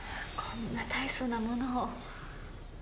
こんな大層なものを。